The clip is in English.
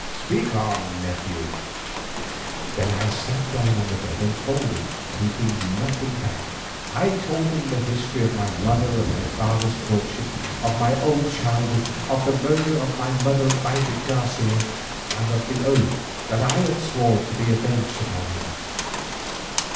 Speak on, nephew." Then I sat down by the bed and told him all, keeping nothing back. I told him the history of my mother and my father's courtship, of my own childhood, of the murder of my mother by de Garcia, and of the oath that I had sworn to be avenged upon him.